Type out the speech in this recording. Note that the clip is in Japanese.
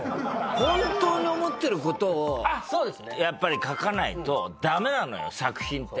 本当に思っている事をやっぱり書かないとダメなのよ作品って。